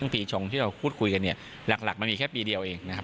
ปีชงที่เราพูดคุยกันเนี่ยหลักมันมีแค่ปีเดียวเองนะครับ